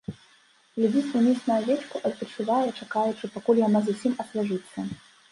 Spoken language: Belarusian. Глядзіць уніз на авечку, адпачывае, чакаючы, пакуль яна зусім асвяжыцца.